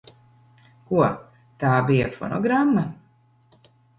Ko? Tā bija fonogramma?